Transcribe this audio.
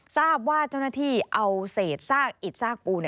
ทราบว่าเจ้าหน้าที่เอาเศษซากอิดซากปู